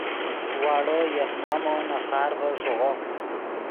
واڑو یف مامو نے خارڤے ݰیغو